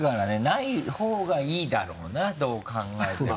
ないほうがいいだろうなどう考えても。